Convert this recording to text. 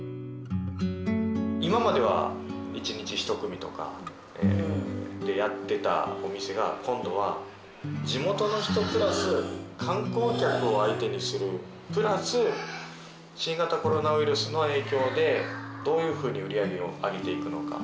今までは１日１組とかでやってたお店が今度は地元の人プラス観光客を相手にするプラス新型コロナウイルスの影響でどういうふうに売り上げを上げていくのか。